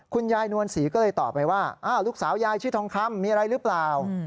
คุณยายนวลศรีก็เลยตอบไปว่าลูกสาวยายชื่อทองคำมีอะไรหรือเปล่า